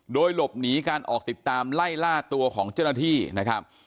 โดยหลบหนีการออกติดตามไล่ล่าตัวของเจ้าหน้าที่นะครับ